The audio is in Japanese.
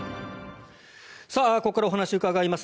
ここからお話を伺います。